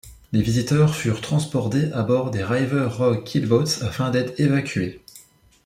Les visiteurs furent transbordés à bord des River Rogue Keelboats afin d'être évacués.